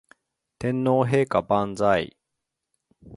天皇陛下万歳